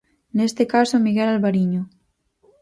Neste caso Miguel Alvariño.